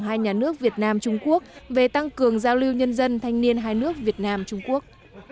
hai nhà nước việt nam trung quốc về tăng cường giao lưu nhân dân thanh niên hai nước việt nam trung quốc